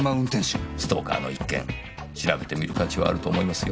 ストーカーの一件調べてみる価値はあると思いますよ。